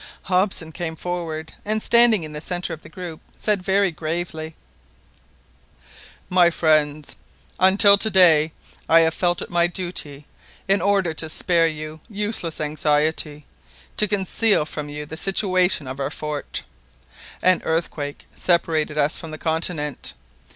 Hobson came forward, and standing in the centre of the group said very gravely— "My friends, until to day I have felt it my duty, in order to spare you useless anxiety, to conceal from you the situation of our fort. An earthquake separated us from the continent.